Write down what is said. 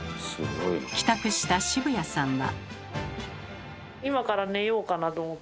帰宅した渋谷さんは。